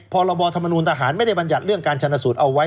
พรบธรรมนูลทหารไม่ได้บรรยัติเรื่องการชนสูตรเอาไว้